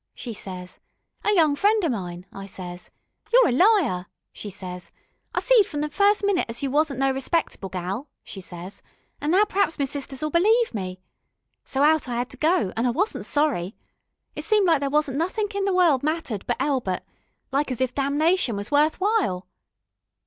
she ses. 'A young friend o' mine,' I ses. 'You're a liar,' she ses, 'I seed from the first minute as you wasn't no respectable gal,' she ses, 'an' now per'aps me sisters'll believe me. So out I 'ad to go, an' I wasn't sorry. It seemed like there wasn't nothink in the world mattered but Elbert, like as if damnation was worth while.